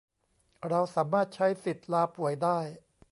เราสามารถใช้สิทธิ์ลาป่วยได้